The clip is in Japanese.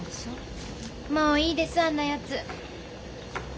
もういいですあんなやつ。